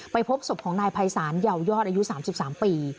พบศพของนายภัยศาลเยาวยอดอายุ๓๓ปี